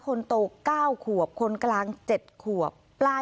คนโต๙ขวบคนกลาง๗ขวบ